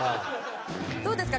どうですか？